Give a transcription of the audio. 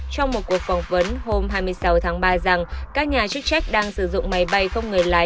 trong một cuộc phỏng vấn hôm hai mươi sáu tháng ba rằng các nhà chức trách đang sử dụng máy bay không người lái